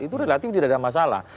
itu relatif tidak ada masalah